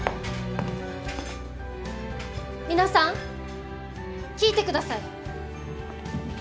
皆さん聞いてください！